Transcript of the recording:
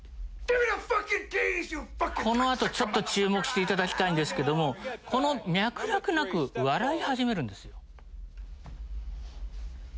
この後ちょっと注目していただきたいんですけどもこの脈絡なく笑い始めるんですよ。